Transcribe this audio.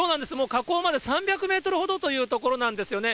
河口まで３００メートルほどというところなんですよね。